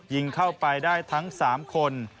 ยิงเข้าไปได้ทั้ง๓คน